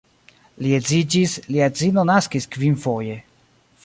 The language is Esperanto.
Li edziĝis, lia edzino naskis kvinfoje.